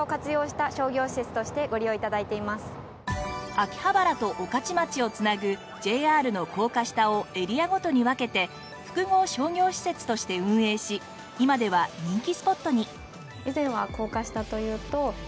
秋葉原と御徒町を繋ぐＪＲの高架下をエリアごとに分けて複合商業施設として運営し今では人気スポットに。